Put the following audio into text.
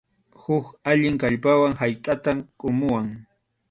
Huk allin kallpawan haytʼata qumuwan.